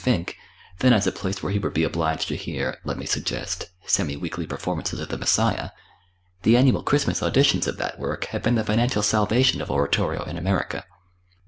Finck than as a place where he would be obliged to hear, let me suggest, semi weekly performances of "The Messiah," the annual Christmas auditions of that work have been the financial salvation of oratorio in America.